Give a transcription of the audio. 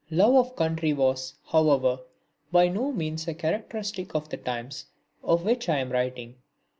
Love of country was, however, by no means a characteristic of the times of which I am writing.